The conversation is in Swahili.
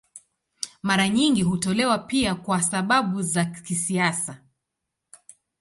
Mara nyingi hutolewa pia kwa sababu za kisiasa.